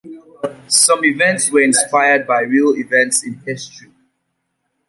Some events were inspired by real events in history.